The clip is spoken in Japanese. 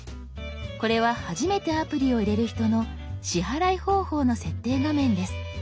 これは初めてアプリを入れる人の支払い方法の設定画面です。